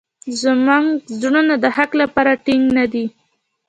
زموږ زړونه د حق لپاره ټینګ نه دي.